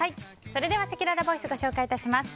それでは、せきららボイスご紹介致します。